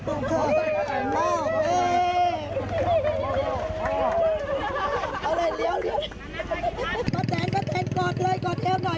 เอาเลยเหลี่ยวพ้าแตนพ้าแตนกลอดเลยก่อเทวหน่อย